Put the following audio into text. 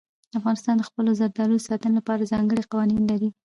افغانستان د خپلو زردالو د ساتنې لپاره ځانګړي قوانین لري.